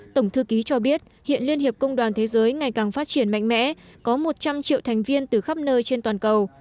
tổng thư ký cho biết hiện liên hiệp công đoàn thế giới ngày càng phát triển mạnh mẽ có một trăm linh triệu thành viên từ khắp nơi trên toàn cầu